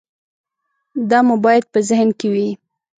دا مو باید په ذهن کې وي.